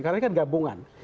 karena ini kan gabungan